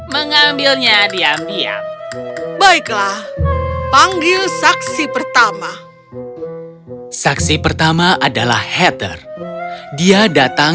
mengambilnya diam diam baiklah panggil saksi pertama saksi pertama adalah heather dia datang